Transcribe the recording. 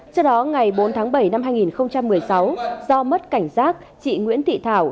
trước đó ngày bốn tháng bảy năm hai nghìn một mươi sáu do mất cảnh giác chị nguyễn thị thảo